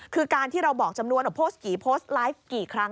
คือการที่เราบอกจำนวนว่าโพสต์กี่โพสต์ไลฟ์กี่ครั้ง